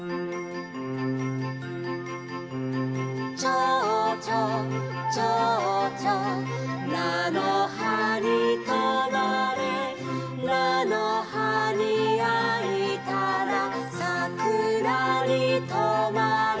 「ちょうちょうちょうちょう」「菜の葉にとまれ」「菜の葉にあいたら桜にとまれ」